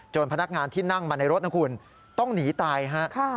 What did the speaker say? พนักงานที่นั่งมาในรถนะคุณต้องหนีตายฮะ